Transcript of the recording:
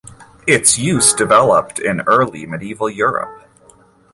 Its use developed in early medieval Europe.